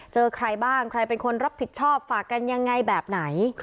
เจอใครบ้างใครเป็นคนรับผิดชอบฝากกันยังไงแบบไหน